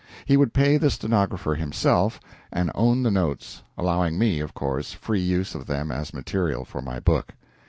He would pay the stenographer himself, and own the notes, allowing me, of course, free use of them as material for my book.